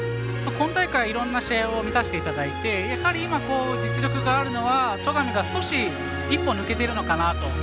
今大会、いろんな試合を見させていただいてやはり今、実力があるのが戸上が一歩抜けているのかなと。